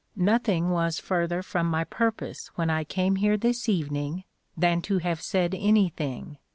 "Nothing was further from my purpose when I came here this evening than to have said anything.